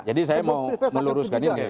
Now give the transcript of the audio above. jadi saya mau meluruskan ya